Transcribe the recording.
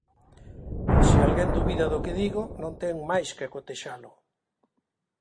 Se alguén dubida do que digo, non ten máis que cotexalo.